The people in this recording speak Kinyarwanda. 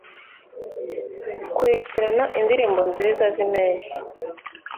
Kurikirana Indirimbo Nziza Zimpeshyi